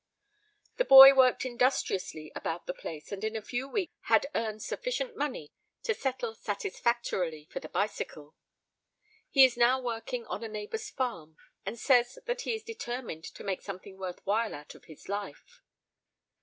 The boy worked industriously about the place and in a few weeks had earned sufficient money to settle satisfactorily for the bicycle. He is now working on a neighbor's farm and says that he is determined to make something worth while out of his life.